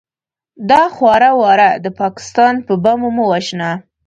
دا خواره واره د پاکستان په بمو مه وژنه!